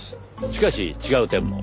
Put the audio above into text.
しかし違う点も。